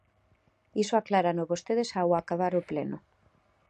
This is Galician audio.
Iso aclárano vostedes ao acabar o pleno.